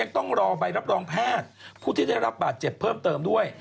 ต้องรอใบรับรองแพทย์ผู้ที่ได้รับบาดเจ็บเพิ่มเติมด้วย